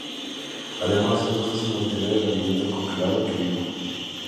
Además, es más fácil mantener el alimento congelado que vivo.